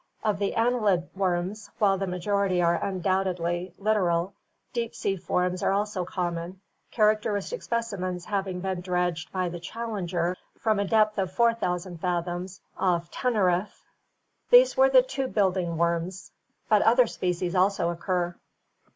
Of the annelid worms, while the majority are undoubtedly littoral, deep sea forms are also common, characteristic specimens having been dredged 388 ORGANIC EVOLUTION by the "Challenger" from a depth of 4000 fathoms off Teneriffe. These were tube building worms, but other species also occur.